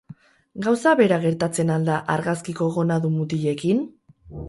Gauza bera gertatzen al da argazkiko gonadun mutilekin?